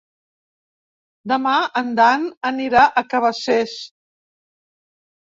Demà en Dan anirà a Cabacés.